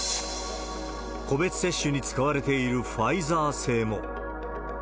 個別接種に使われているファイザー製も。